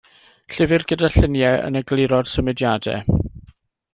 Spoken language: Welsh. Llyfr gyda lluniau yn egluro'r symudiadau.